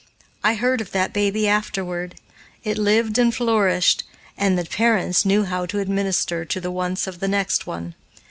I heard of that baby afterward. It lived and flourished, and the parents knew how to administer to the wants of the next one.